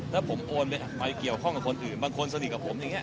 ถ้าผมโอนไปตามคนอื่นบางคนสนิทกับผมเนี่ย